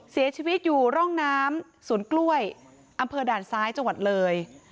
เสียชีวิตอยู่ร่องน้ำสวนกล้วยอำเภอด่านซ้ายจังหวัดเลย